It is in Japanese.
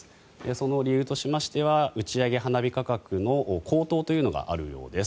その理由としましては打ち上げ花火価格の高騰というのがあるようです。